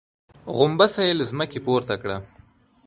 غومبسه يې له ځمکې پورته کړه.